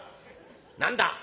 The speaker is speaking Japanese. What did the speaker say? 何だ？」。